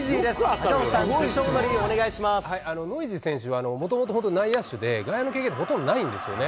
赤星さん、ノイジー選手はもともと本当、内野手で、外野の経験、ほとんどないんですよね。